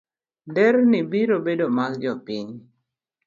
Nderni biro bedo mag jopiny.